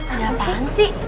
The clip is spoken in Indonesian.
ada apaan sih